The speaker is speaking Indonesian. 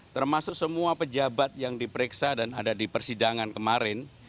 termasuk semua pejabat yang diperiksa dan ada di persidangan kemarin